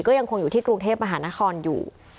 ก็ยังคงอยู่ที่กรุงเทพมหานครอยู่